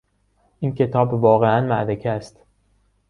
این کتاب واقعا معرکه است.